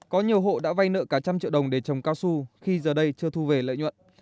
có nhiều hộ đã vay nợ cả trăm triệu đồng để trồng cao su khi giờ đây chưa thu về lợi nhuận